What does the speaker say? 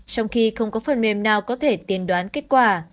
trong khi không có phần mềm nào có thể tiền đoán kết quả